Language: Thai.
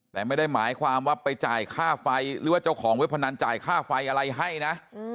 แต่ไม่ได้หมายความว่าไปจ่ายค่าไฟหรือว่าเจ้าของเว็บพนันจ่ายค่าไฟอะไรให้นะ